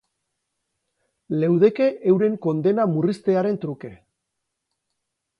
Leudeke euren kondena murriztearen truke.